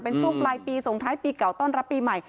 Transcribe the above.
เป็นช่วงปลายปีส่งท้ายปีเก่าต้อนรับปีใหม่